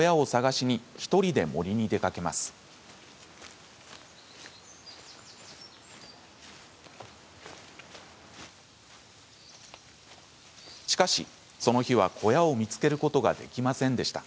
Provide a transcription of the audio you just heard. しかし、その日は小屋を見つけることができませんでした。